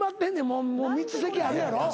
もう３つ席あるやろ？